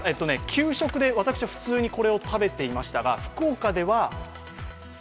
給食で私は普通にこれを食べていましたが、おから。